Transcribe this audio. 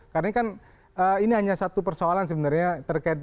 karena ini kan hanya satu persoalan sebenarnya